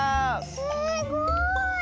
すごい。